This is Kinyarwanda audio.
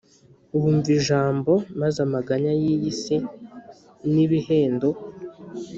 wumva ijambo maze amaganya y iyi si n ibihendo